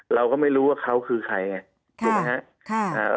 เราก็ไม่รู้ว่าเขาคือใคร